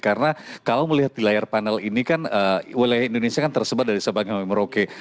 karena kalau melihat di layar panel ini kan wilayah indonesia kan tersebar dari sebagai merauke